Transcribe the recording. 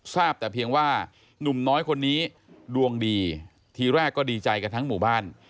ทราบแต่เพียงว่านุ่มน้อยคนนี้ดวงดีทีแรกก็ดีใจกันทั้งหมู่บ้าน